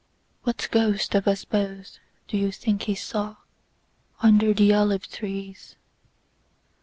What ghost of us both do you think he sawUnder the olive trees?